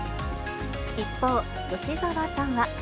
一方、吉沢さんは。